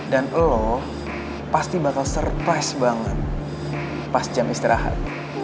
dan lo pasti bakal surprise banget pas jam istirahat